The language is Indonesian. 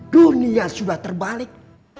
dunia sudah terbalik